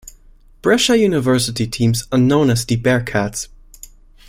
Brescia University teams are known as the Bearcats.